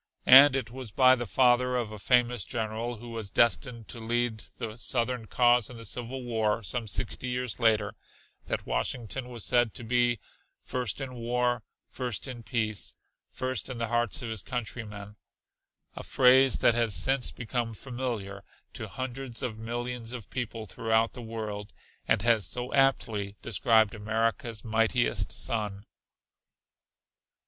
And it was by the father of a famous general who was destined to lead the southern cause in the Civil War some sixty years later that Washington was said to be "first in war, first in peace, first in the hearts of his countrymen," a phrase that has since become familiar to hundreds of millions of people throughout the world, and has so aptly described America's mightiest son.